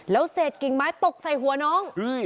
แล้วเสร็จกรีงไม้ตกใส่หัวหน้อง